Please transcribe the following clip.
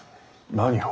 何を？